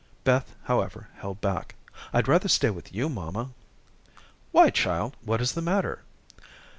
Beth, however, held back. "I'd rather stay with you, mamma." "Why, child, what is the matter?"